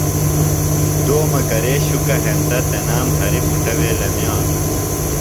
دومہ کرے شُکہ ہینتہ تنام ہریۡ مُٹہ وے لمیانوۡ۔